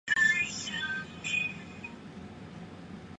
东晋葛洪是金丹道教的理论家与实践者。